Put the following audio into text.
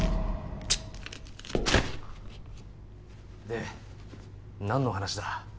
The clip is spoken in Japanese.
で何の話だ。